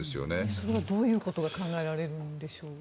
それはどういうことが考えられるんでしょう？